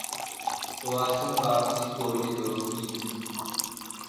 Классым парти, столи, доски итых.